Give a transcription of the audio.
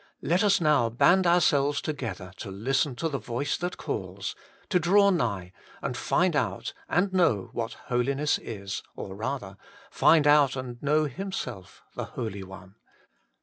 Let us now band ourselves together to listen to the voice that calls, to draw nigh, and find out and know what Holiness is, or rather, find out and know Himself the Holy One.